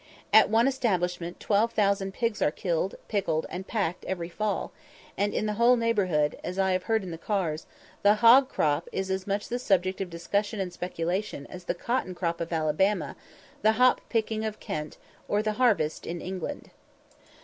At one establishment 12,000 pigs are killed, pickled, and packed every fall; and in the whole neighbourhood, as I have heard in the cars, the "hog crop" is as much a subject of discussion and speculation as the cotton crop of Alabama, the hop picking of Kent, or the harvest in England.